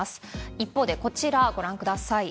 一方で、こちらご覧ください。